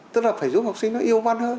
tức là phải giúp học sinh nó yêu văn hơn